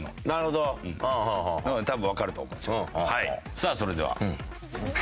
さあそれでは。